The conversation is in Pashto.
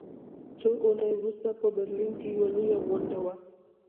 څو اونۍ وروسته په برلین کې یوه لویه غونډه وه